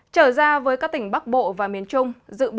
trở ra với các tỉnh bắc bộ và miền trung